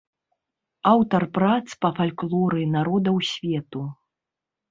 Аўтар прац па фальклоры народаў свету.